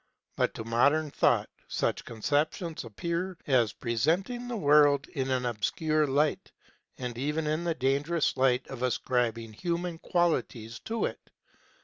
But to modern thought such conceptions appear as SPECULATIVE PHILOSOPHY 37 presenting the world in an obscure light, and even in the dangerous light of ascribing human qualities to it.